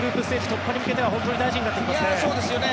突破に向けては本当に大事になってきますね。